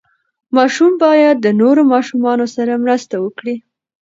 ماشوم باید د نورو ماشومانو سره مرسته وکړي.